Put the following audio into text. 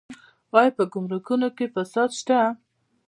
آیا په ګمرکونو کې فساد شته؟